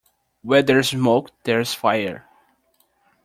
Where there's smoke there's fire.